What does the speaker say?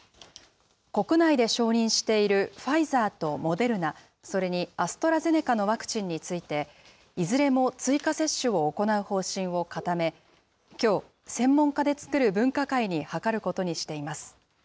国内で承認しているファイザーとモデルナ、それにアストラゼネカのワクチンについて、いずれも追加接種を行う方針を固め、きょう、専門家で作る分科会に諮ることにしています。